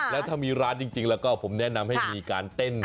แล้วถ้ามีร้านจริงแล้วก็ผมแนะนำให้มีการเต้น